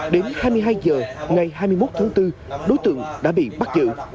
đến hai mươi hai h ngày hai mươi một tháng bốn đối tượng đã bị bắt giữ